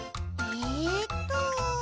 えっと。